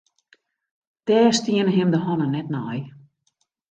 Dêr stienen him de hannen net nei.